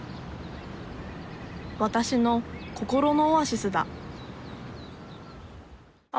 私の心のオアシスだあ